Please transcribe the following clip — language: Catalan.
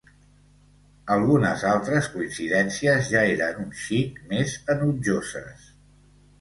Algunes altres coincidències ja eren un xic més enutjoses.